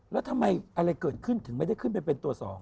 แล้วทำไมอะไรเกิดขึ้นถึงไม่ได้ขึ้นไปเป็นตัว๒